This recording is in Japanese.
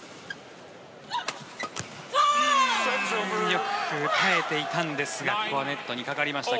よく耐えていたんですがここはネットにかかりました。